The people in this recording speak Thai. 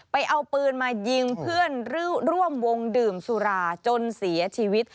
ไปเอาปืนมายิงเพื่อนร่วมวงดื่มสุราจนเสียชีวิต